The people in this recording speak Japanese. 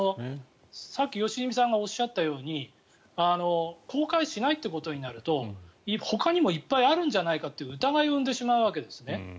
さっき、良純さんがおっしゃったように公開しないということになるとほかにもいっぱいあるんじゃないかと疑いを生んでしまうわけですね。